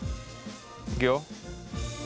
いくよ！